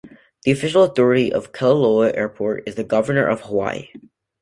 The official authority of Kalaeloa Airport is the Governor of Hawaii.